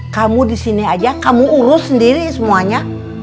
kamu di sini aja kamu urus sendiri semuanya